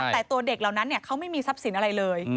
แต่ตัวเด็กเหล่านั้นเขาไม่มีทรัพย์สินอะไรเลย